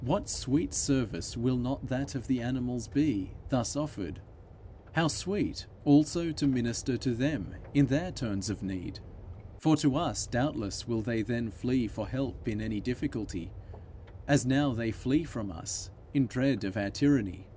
What sweet service will not that of the animals be, thus offered! How sweet also to minister to them in their turns of need! For to us doubtless will they then flee for help in any difficulty, as now they flee from us in dread of our tyranny.